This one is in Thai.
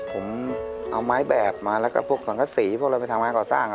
ผมเอาไม้แบบมาแล้วก็พวกสังกษีพวกเราไปทำงานก่อสร้าง